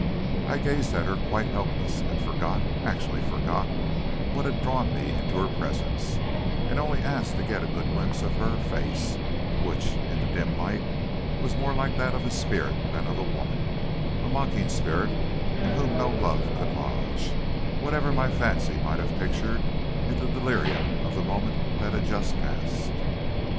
I gazed at her quite helpless, and forgot actually forgot what had drawn me into her presence, and only asked to get a good glimpse of her face, which, in the dim light, was more like that of a spirit than of a woman a mocking spirit, in whom no love could lodge, whatever my fancy might have pictured in the delirium of the moment that had just passed.